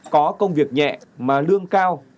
có công việc nhẹ mà lương cao